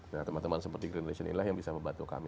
nah teman teman seperti green lation inilah yang bisa membantu kami